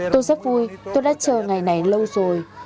tôi rất vui tôi đã chờ ngày này lâu rồi